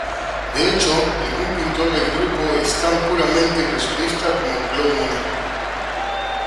De hecho, ningún pintor del grupo es tan puramente impresionista como Claude Monet.